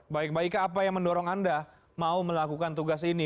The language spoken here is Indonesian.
baik mbak ika apa yang mendorong anda mau melakukan tugas ini